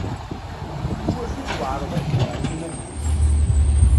Iwacu tweɛreḍ akken ɣer yiman-ik?